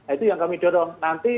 itu yang kami dorong